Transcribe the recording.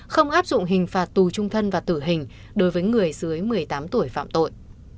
không áp dụng hình phạt tù trung thân và tử hình đối với người dưới một mươi tám tuổi phạm tội